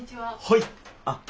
はい。